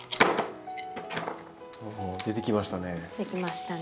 出てきましたね。